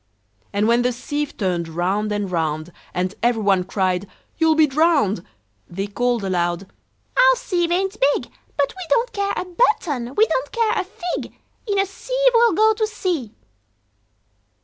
And when the sieve turned round and round, And every one cried, "You'll all be drowned!" They called aloud, "Our sieve ain't big; But we don't care a button, we don't care a fig: In a sieve we'll go to sea!"